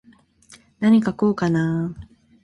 なに書こうかなー。